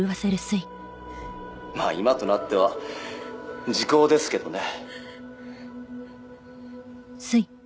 「まあ今となっては時効ですけどね」